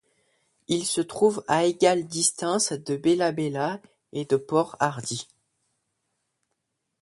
Il se trouve a égale distance de Bella Bella et de Port Hardy.